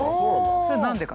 それ何でか？